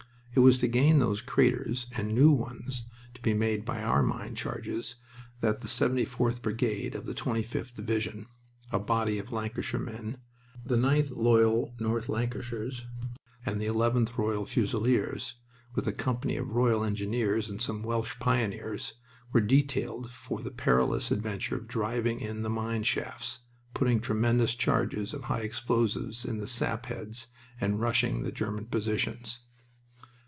It was to gain those craters, and new ones to be made by our mine charges, that the 74th Brigade of the 25th Division, a body of Lancashire men, the 9th Loyal North Lancashires and the 11th Royal Fusiliers, with a company of Royal Engineers and some Welsh pioneers, were detailed for the perilous adventure of driving in the mine shafts, putting tremendous charges of high explosives in the sapheads, and rushing the German positions.